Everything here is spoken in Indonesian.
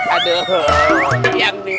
aduh yang dibuka ini